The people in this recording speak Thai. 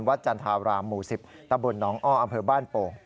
วัดจันทราบรามหมู่๑๐ตะบุ่นน้องอ้ออำเภอบ้านโป